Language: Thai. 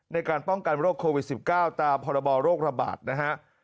ในการป้องกันโรคโควิด๑๙ตามพรบโรคระบาดนะฮะ